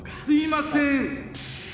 すいません。